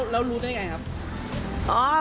แล้วรู้ได้ไงครับ